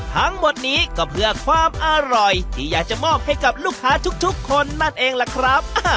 ทั้งหมดนี้ก็เพื่อความอร่อยที่อยากจะมอบให้กับลูกค้าทุกคนนั่นเองล่ะครับ